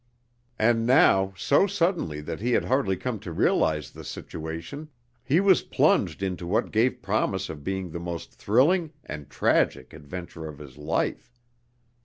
And now so suddenly that he had hardly come to realize the situation he was plunged into what gave promise of being the most thrilling and tragic adventure of his life.